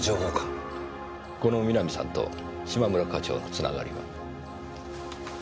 この南さんと嶋村課長のつながりは？